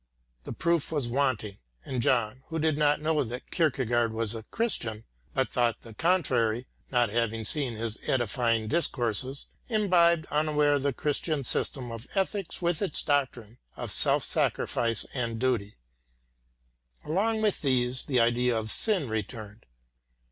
The proof was wanting, and John, who did not know that Kierkegaard was a Christian, but thought the contrary, not having seen his Edifying Discourses, imbibed unaware the Christian system of ethics with its doctrine of self sacrifice and duty Along with these the idea of sin returned.